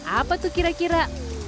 apa tuh kira kira